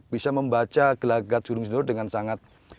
bisa membaca gelagat gunung sindoro dengan sangat tinggi